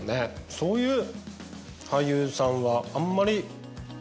そういう俳優さんはあんまり。